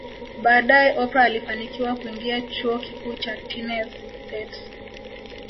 Baadae Oprah alifanikiwa kuingia chuo kikuu cha Tenesse State